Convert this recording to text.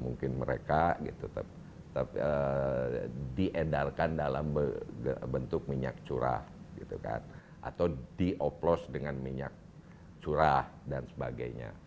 mungkin mereka diendarkan dalam bentuk minyak curah atau dioplos dengan minyak curah dan sebagainya